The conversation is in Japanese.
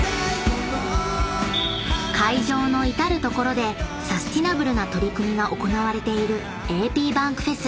［会場の至る所でサスティナブルな取り組みが行われているａｐｂａｎｋｆｅｓ。